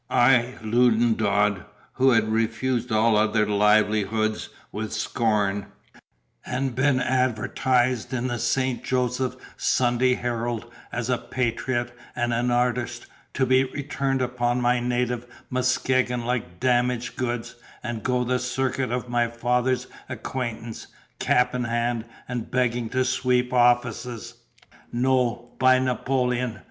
I, Loudon Dodd, who had refused all other livelihoods with scorn, and been advertised in the Saint Joseph Sunday Herald as a patriot and an artist, to be returned upon my native Muskegon like damaged goods, and go the circuit of my father's acquaintance, cap in hand, and begging to sweep offices! No, by Napoleon!